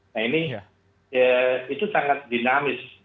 nah ini itu sangat dinamis